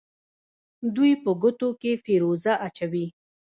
دوی په ګوتو کې فیروزه اچوي.